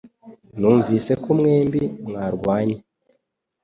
Numvise ko mwembi mwarwanye